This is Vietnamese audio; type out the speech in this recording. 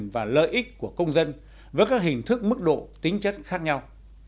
và lợi ích của công dân với các hình thức mức độ tính chất khác nhau